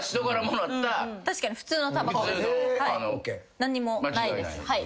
何にもないですはい。